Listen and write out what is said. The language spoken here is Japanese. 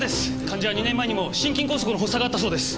患者は２年前にも心筋梗塞の発作があったそうです。